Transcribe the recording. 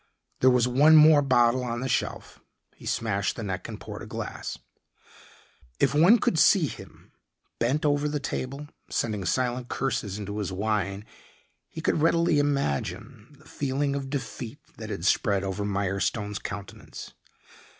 There was one more bottle on the shelf; he smashed the neck and poured a glass. If one could see him bent over the table sending silent curses into his wine, he could readily imagine the feeling of defeat that had spread over Mirestone's countenance.